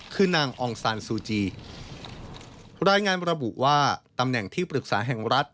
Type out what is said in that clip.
คือนางอองซานซูจีรายงานระบุว่าตำแหน่งที่ปรึกษาแห่งรัฐ